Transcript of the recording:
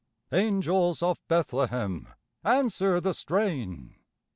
Angels of Bethlehem, answer the strain!